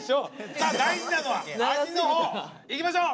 さあ大事なのは味のほういきましょう。